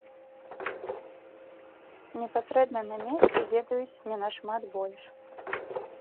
Непасрэдна на месцы ведаюць не нашмат больш.